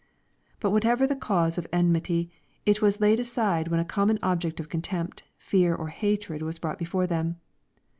But whatever the cause of enmity, it was laid aside when a common object of contempt, fear, or hatred was brought before them.